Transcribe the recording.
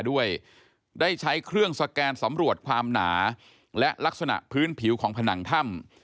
ด้วยได้ใช้เครื่องสแกนสำรวจความหนาและลักษณะพื้นผิวของผนังถ้ำ